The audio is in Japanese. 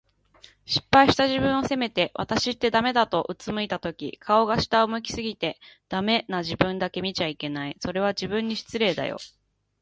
失敗した自分を責めて、「わたしってダメだ」と俯いたとき、顔が下を向き過ぎて、“ダメ”な自分だけ見ちゃいけない。それは、自分に失礼だよ。